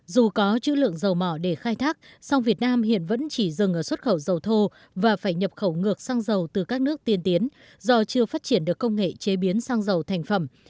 dù có chữ lượng dầu mỏ để khai thác song việt nam hiện vẫn chỉ dừng ở xuất khẩu dầu thô và phải nhập khẩu ngược xăng dầu từ các nước tiên tiến do chưa phát triển được công nghệ chế biến xăng dầu thành phẩm